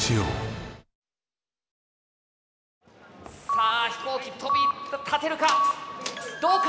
さあ飛行機飛び立てるか。